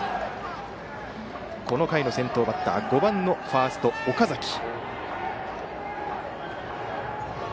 この回の先頭バッター５番ファースト、岡崎。